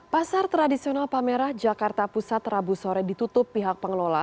pasar tradisional palmerah jakarta pusat rabu sore ditutup pihak pengelola